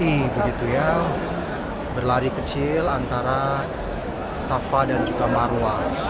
ini begitu ya berlari kecil antara safa dan juga marwa